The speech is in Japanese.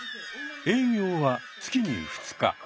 営業は月に２日。